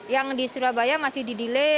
yang di surabaya masih di delay